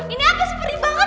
ini apa sih perih banget